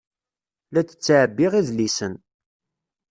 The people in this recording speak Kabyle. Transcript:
La d-ttɛebbiɣ idlisen.